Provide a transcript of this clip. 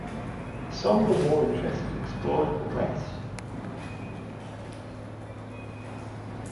Some were more interested in exploring the West.